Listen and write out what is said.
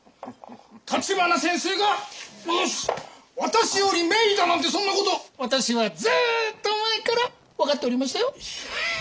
立花先生が私より名医だなんてそんなこと私はずっと前から分かっておりましたよ。